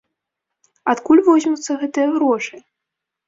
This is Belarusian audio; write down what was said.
Адкуль возьмуцца гэтыя грошы?